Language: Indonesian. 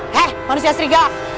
hei manusia serigala